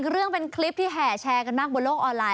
เรื่องเป็นคลิปที่แห่แชร์กันมากบนโลกออนไลน